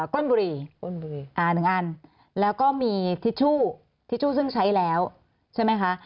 ก้นบุรีอ่าหนึ่งอันแล้วก็มีทิชชู่ทิชชู่ซึ่งใช้แล้วใช่ไหมคะ